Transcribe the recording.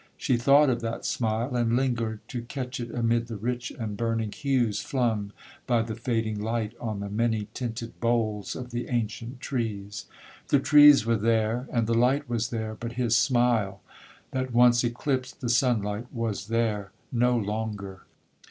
She thought of that smile, and lingered to catch it amid the rich and burning hues flung by the fading light on the many tinted boles of the ancient trees. The trees were there—and the light was there—but his smile, that once eclipsed the sun light, was there no longer!